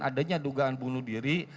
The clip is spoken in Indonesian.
adanya dugaan bunuh diri